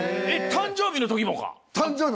「誕生日の時もか？」。